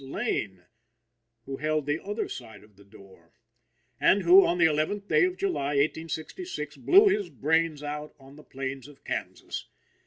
Lane, who held the other side of the door, and who, on the 11th day of July, 1866, blew his brains out on the plains of Kansas.